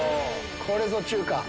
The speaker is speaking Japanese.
これぞ中華。